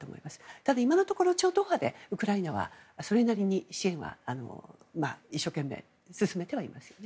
ただ、今のところ超党派でウクライナはそれなりに支援を一生懸命進めてはいますよね。